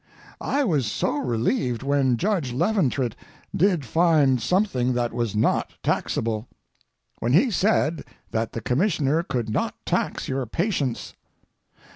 I was so relieved when judge Leventritt did find something that was not taxable—when he said that the commissioner could not tax your patience.